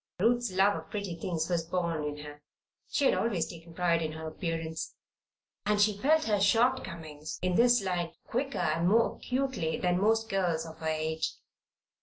Ruth's love of pretty things was born in her. She had always taken pride in her appearance, and she felt her shortcomings in this line quicker and more acutely than most girls of her age.